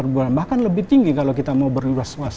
bahkan lebih tinggi kalau kita mau berluas luas